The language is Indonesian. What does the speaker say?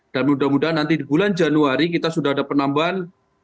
dan mudah mudahan nanti di bulan januari kita sudah ada penambahan